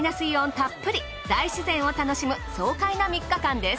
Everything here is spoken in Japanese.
たっぷり大自然を楽しむ爽快な３日間です。